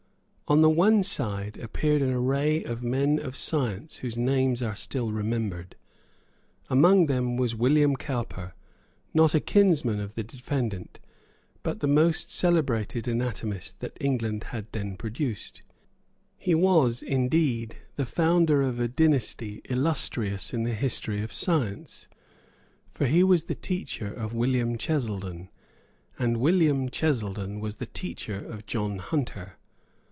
On the other side appeared an array of men of science whose names are still remembered. Among them was William Cowper, not a kinsman of the defendant, but the most celebrated anatomist that England had then produced. He was, indeed, the founder of a dynasty illustrious in the history of science; for he was the teacher of William Cheselden, and William Cheselden was the teacher of John Hunter.